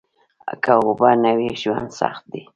که اوبه نه وي ژوند سخت دي